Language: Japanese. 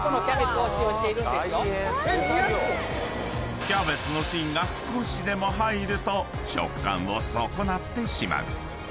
⁉［キャベツの芯が少しでも入ると食感を損なってしまう］